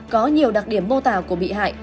có nhiều đặc điểm mô tả của bị hại